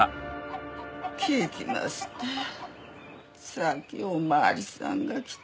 さっきお巡りさんが来て。